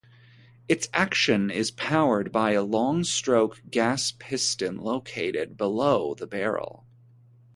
Its action is powered by a long-stroke gas piston, located below the barrel.